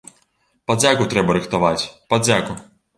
Падзяку трэба рыхтаваць, падзяку.